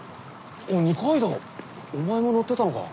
二階堂お前も乗ってたのか？